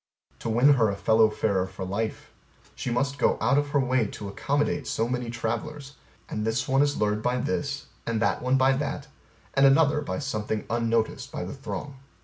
To win her a fellow farer for life, she must go out of her way to accommodate so many travelers: and this one is lured by this, and that one by that, and another by something unnoticed by the throng.